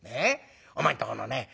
お前んとこのね